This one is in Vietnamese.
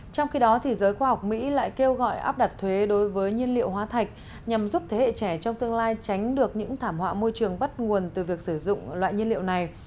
trong khi đó giới khoa học mỹ lại kêu gọi áp đặt thuế đối với nhiên liệu hóa thạch nhằm giúp thế hệ trẻ trong tương lai tránh được những thảm họa môi trường bắt nguồn từ việc sử dụng loại nhiên liệu này